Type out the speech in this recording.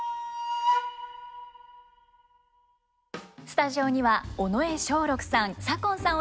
スタジオには尾上松緑さん左近さん